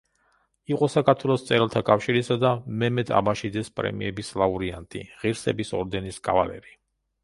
იყო საქართველოს მწერალთა კავშირისა და მემედ აბაშიძის პრემიების ლაურეატი, ღირსების ორდენის კავალერი.